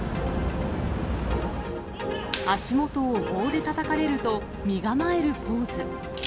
足元を棒でたたかれると、身構えるポーズ。